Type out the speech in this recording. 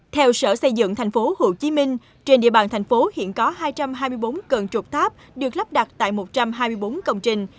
theo sở xây dựng thành phố hồ chí minh trên địa bàn thành phố hiện có hai trăm hai mươi bốn cân trục tháp được lắp đặt tại một trăm hai mươi bốn công trình